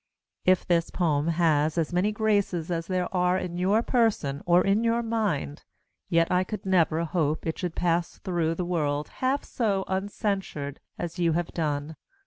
If this poem had as many graces as there are in your person or in you mind, yet I could never hope it should pass thro' the world half so uncensured as you have done.